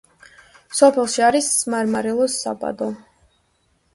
სოფელში არის მარმარილოს საბადო.